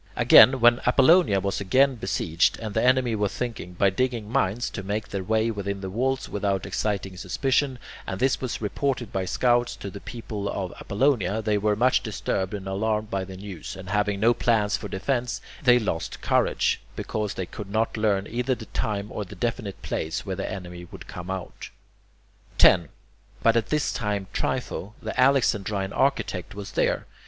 Again, when Apollonia was being besieged, and the enemy were thinking, by digging mines, to make their way within the walls without exciting suspicion, and this was reported by scouts to the people of Apollonia, they were much disturbed and alarmed by the news, and having no plans for defence, they lost courage, because they could not learn either the time or the definite place where the enemy would come out. 10. But at this time Trypho, the Alexandrine architect, was there.